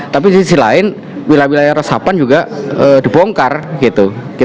tapi di sisi lain wilayah wilayah resapan juga dibongkar gitu